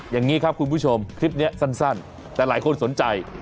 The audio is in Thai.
อย่างนี้ครับคุณผู้ชมคลิปนี้สั้นแต่หลายคนสนใจ